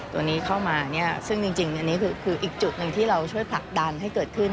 ตัวนี้เข้ามาเนี่ยซึ่งจริงอันนี้คืออีกจุดหนึ่งที่เราช่วยผลักดันให้เกิดขึ้น